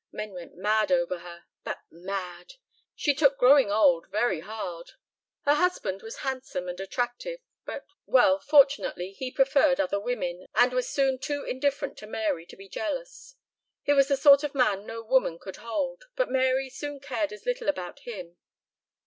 Men went mad over her but mad! She took growing old very hard. Her husband was handsome and attractive, but well, fortunately he preferred other women, and was soon too indifferent to Mary to be jealous. He was the sort of man no woman could hold, but Mary soon cared as little about him.